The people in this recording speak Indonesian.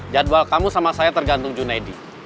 jadwal kamu sama saya tergantung junaidi